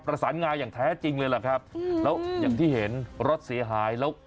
ประสานงาอย่างแท้จริงเลยล่ะครับแล้วอย่างที่เห็นรถเสียหายแล้ว